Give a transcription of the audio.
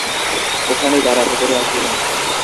ওখানেই দাঁড়া, ভেতরে আসবি না।